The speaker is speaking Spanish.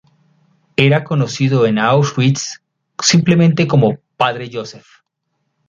Era conocido en Auschwitz simplemente como "Padre Józef".